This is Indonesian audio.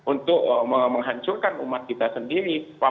untuk menghancurkan umat kita sendiri